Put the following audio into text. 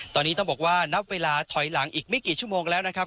ตอนนี้ต้องบอกว่านับเวลาถอยหลังอีกไม่กี่ชั่วโมงแล้วนะครับ